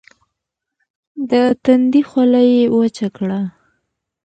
د تندي خوله يې وچه کړه.